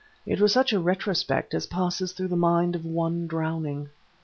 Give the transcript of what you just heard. It was such a retrospect as passes through the mind of one drowning.